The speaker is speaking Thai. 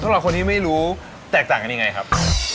สำหรับคนที่ไม่รู้แตกต่างกันยังไงครับ